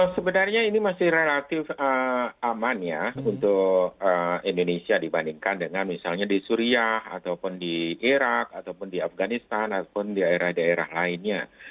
sebenarnya ini masih relatif aman ya untuk indonesia dibandingkan dengan misalnya di suriah ataupun di irak ataupun di afganistan ataupun di daerah daerah lainnya